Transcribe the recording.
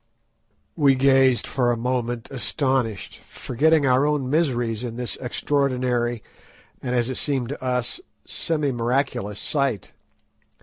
We gazed for a moment astonished, forgetting our own miseries in this extraordinary and, as it seemed to us, semi miraculous sight.